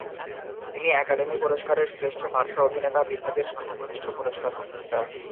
তিনি একাডেমি পুরস্কারের শ্রেষ্ঠ পার্শ্ব অভিনেতা বিভাগের সর্বকনিষ্ঠ পুরস্কার গ্রহীতা।